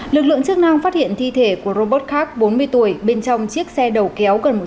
lực lượng chức năng phát hiện thi thể của robot khark bốn mươi tuổi bên trong chiếc xe đầu kéo gần một trăm linh